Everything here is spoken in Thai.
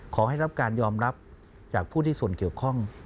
ขอให้รับการยอมรับจากผู้ที่ส่วนเกี่ยวข้อง